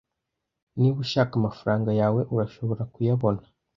Niba ushaka amafaranga yawe, urashobora kuyabona.